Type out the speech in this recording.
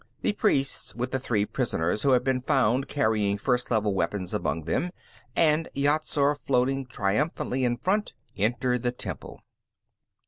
The priests, with the three prisoners who had been found carrying First Level weapons among them and Yat Zar floating triumphantly in front, entered the temple.